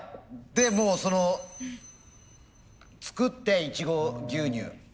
でもうその作ってイチゴ牛乳。